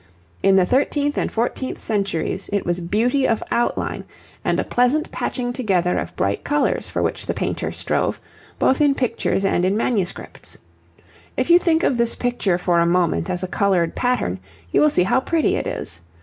In the thirteenth and fourteenth centuries it was beauty of outline and a pleasant patching together of bright colours for which the painters strove, both in pictures and in manuscripts. If you think of this picture for a moment as a coloured pattern, you will see how pretty it is.